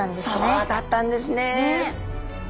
そうだったんですね。